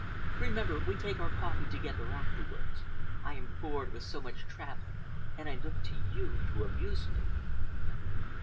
Remember we take our coffee together afterwards. I am bored with so much traveling, and I look to you to amuse me."